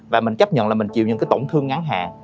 và mình chấp nhận là mình chịu những cái tổn thương ngắn hạn